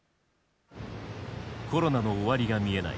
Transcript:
コロナの終わりが見えない